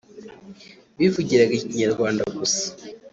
bivugiraga Ikinyarwanda gisa